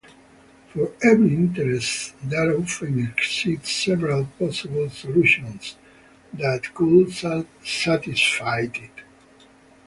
For every interest there often exists several possible solutions that could satisfy it.